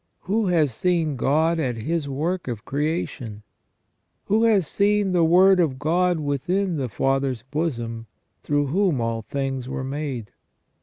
Who has seen God at His work of creation ? Who has seen the Word of God within the Father's bosom, through whom all things are made